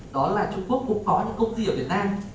đó là trung quốc cũng có những công ty ở việt nam